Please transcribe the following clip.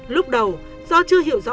lúc đầu do chưa hiểu rõ